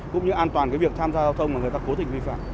cũng như an toàn cái việc tham gia giao thông mà người ta cố tình vi phạm